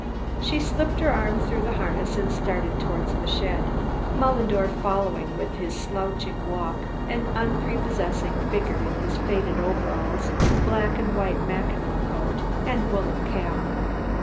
She slipped her arm through the harness and started towards the shed, Mullendore following with his slouching walk, an unprepossessing figure in his faded overalls, black and white mackinaw coat and woolen cap.